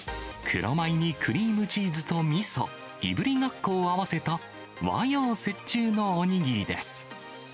黒米にクリームチーズとみそ、いぶりがっこを合わせた、和洋折衷のお握りです。